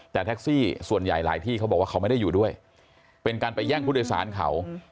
แต่แท็กซี่ส่วนใหญ่หลายที่เขาบอกว่าเขาไม่ได้อยู่ด้วยเป็นการไปแย่งผู้โดยสารเขา